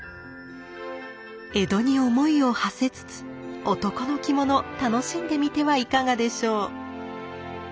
江戸に思いをはせつつ男の着物楽しんでみてはいかがでしょう。